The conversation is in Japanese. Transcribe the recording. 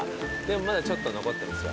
でもまだちょっと残ってますよ